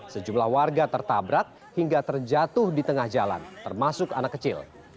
sejumlah warga tertabrak hingga terjatuh di tengah jalan termasuk anak kecil